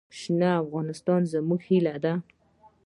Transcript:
شنه افغانستان زموږ هیله ده.